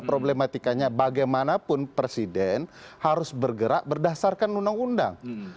problematikanya bagaimanapun presiden harus bergerak berdasarkan undang undang